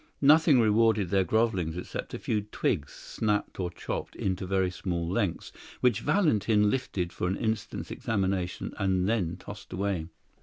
Nothing rewarded their grovellings except a few twigs, snapped or chopped into very small lengths, which Valentin lifted for an instant's examination and then tossed away.